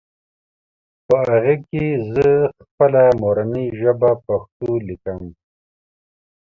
په هغې کې زهٔ خپله مورنۍ ژبه پښتو ليکم